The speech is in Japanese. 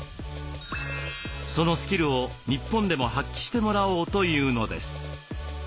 そのスキルを日本でも発揮してもらおうというのです。